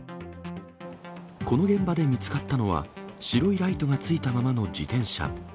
この現場で見つかったのは、白いライトがついたままの自転車。